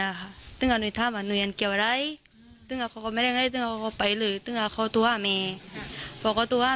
ครั้งนี้ระเบิดเอากระแน่งสร้างเทพภูมิ